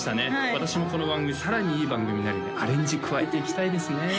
私もこの番組さらにいい番組になるようにアレンジ加えていきたいですね